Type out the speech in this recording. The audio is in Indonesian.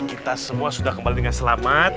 kita semua sudah kembali dengan selamat